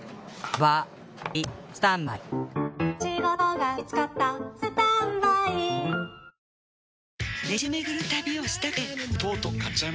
はい。